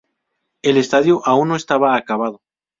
El Estadio aún no estaba acabado.